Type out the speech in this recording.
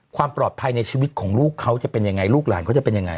ความปลอดภัยในชีวิตของลูกเขาจะเป็นยังไงลูกหลานเขาจะเป็นยังไง